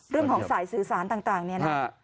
เรื่องของสายสื่อสารต่างเนี่ยนะ